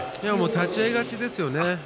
立ち合い勝ちですよね。